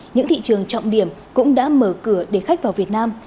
những thị trường trọng điểm cũng đã mở cửa để khách vào việt nam